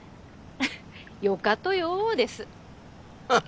よかとよです。